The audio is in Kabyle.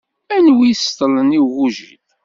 Am wi iseṭṭlen i ugujil.